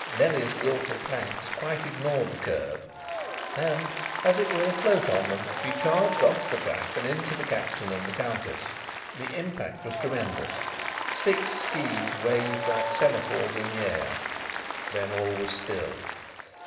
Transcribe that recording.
Nellie's wilful planks quite ignored the curve, and, as it were afloat on them, she charged off the track, and into the Captain and the Countess. The impact was tremendous. Six skis waved like semaphores in the air. Then all was still.